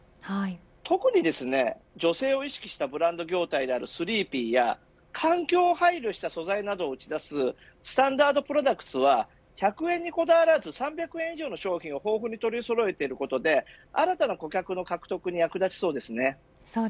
特に女性を意識したブランド業態であるスリーピーや環境を配慮した素材などを使うスタンダードプロダクツは１００円にこだわらず３００円以上の商品を豊富に取りそろえていることで新たな顧客の獲得に役立ちそうです。